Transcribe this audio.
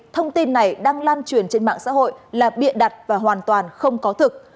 thông tin này đang lan truyền trên mạng xã hội là bịa đặt và hoàn toàn không có thực